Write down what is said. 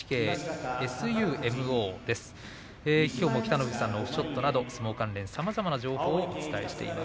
きょうも北の富士さんのオフショットなど相撲関連のさまざまな情報をお伝えしています。